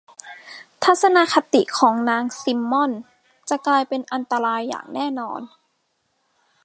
ทัศนคติของนางซิมมอนส์จะกลายเป็นอันตรายอย่างแน่นอน